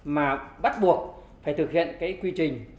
mà bắt buộc phải thực hiện quy trình